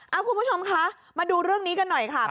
เอาคุณผู้ชมคะมาดูเรื่องนี้กันหน่อยค่ะ